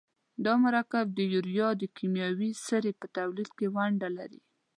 دا مرکب د یوریا د کیمیاوي سرې په تولید کې ونډه لري.